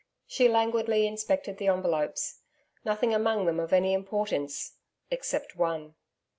She languidly inspected the envelopes. Nothing among them of any importance except one.